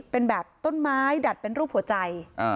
เป็นแบบต้นไม้ดัดเป็นรูปหัวใจ